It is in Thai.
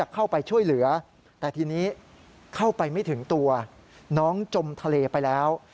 เข้าไปไม่ถึงตัวน้องจมทะเลไปแล้ว